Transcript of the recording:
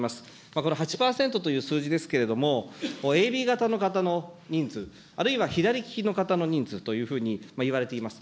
この８％という数字ですけれども、ＡＢ型の方の人数、あるいは左利きの方の人数というふうにいわれています。